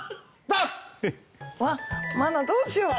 うわっ愛菜どうしよう？